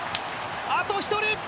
あと１人！